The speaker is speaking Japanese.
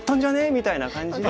みたいな感じで。